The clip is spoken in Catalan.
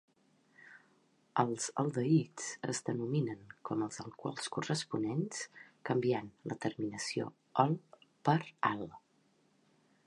Els aldehids es denominen com els alcohols corresponents, canviant la terminació -ol per -al.